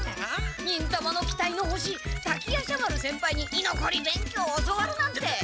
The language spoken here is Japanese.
忍たまの期待の星滝夜叉丸先輩にいのこり勉強を教わるなんて。